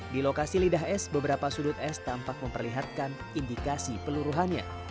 di lokasi lidah es beberapa sudut es tampak memperlihatkan indikasi peluruhannya